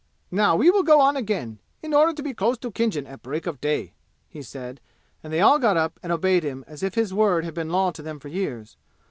"Now we will go on again, in order to be close to Khinjan at break of day," he said, and they all got up and obeyed him as if his word had been law to them for years.